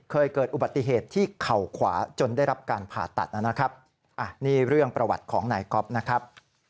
เคยเกิดอุบัติเหตุที่เข่าขวาจนได้รับการผ่าตัดนะครับนี่เรื่องประวัติของนายก๊อฟนะครับ